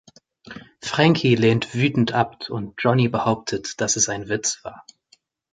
Frankie lehnt wütend ab, und Johnny behauptet, dass es ein Witz war.